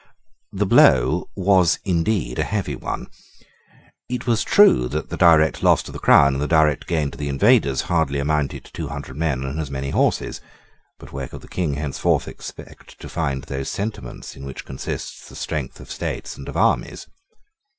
The blow was indeed a heavy one. It was true that the direct loss to the crown and the direct gain to the invaders hardly amounted to two hundred men and as many horses. But where could the King henceforth expect to find those sentiments in which consists the strength of states and of armies?